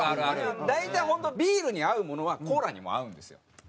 大体本当ビールに合うものはコーラにも合うんですよ。